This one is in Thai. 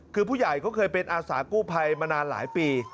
คือผู้ใหญ่เขาเคยเป็นอาสากู้ภัยมานานหลายปี